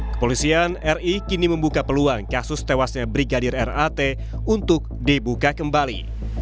kepolisian ri kini membuka peluang kasus tewasnya brigadir rat untuk dibuka kembali